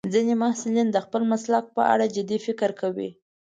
ځینې محصلین د خپل مسلک په اړه جدي فکر کوي.